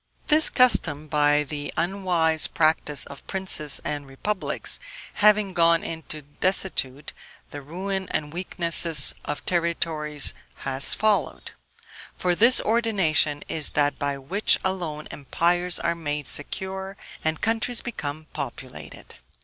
This custom, by the unwise practice of princes and republics, having gone into desuetude, the ruin and weakness of territories has followed; for this ordination is that by which alone empires are made secure, and countries become populated.